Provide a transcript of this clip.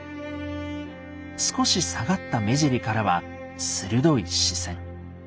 少し下がった目尻からは鋭い視線。